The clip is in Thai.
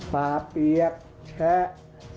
ป่าเปียกแชะ